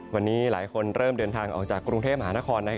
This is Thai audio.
วันนี้หลายคนเริ่มเดินทางออกจากกรุงเทพมหานคร